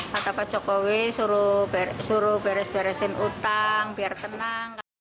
kata pak jokowi suruh beres beresin utang biar tenang